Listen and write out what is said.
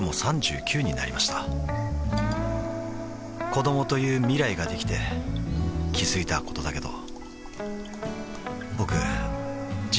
子どもという未来ができて気づいたことだけど